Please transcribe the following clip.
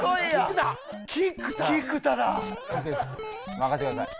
任せてください。